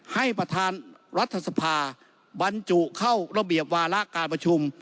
ให้ประธานรัฐสภาบรรจุเข้าระเบียบวาระการประชุม